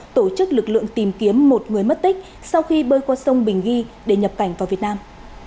tổ chức lực lượng tìm kiếm một người mất tích sau khi bơi qua sông bình ghi để nhập cảnh vào việt nam